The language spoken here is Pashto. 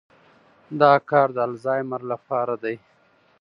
دا کار د الزایمر لپاره دی.